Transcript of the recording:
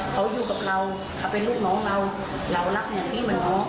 เขาอยู่กับเราเขาเป็นลูกน้องเราเรารักเหมือนพี่เหมือนน้อง